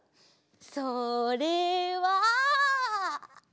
それは。